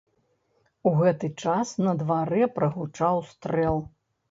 У гэты час на дварэ прагучаў стрэл.